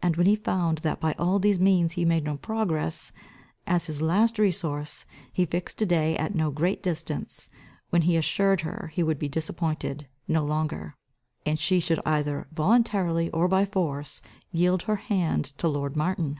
And when he found that by all these means he made no progress; as his last resource, he fixed a day at no great distance, when he assured her he would be disappointed no longer, and she should either voluntarily or by force yield her hand to lord Martin.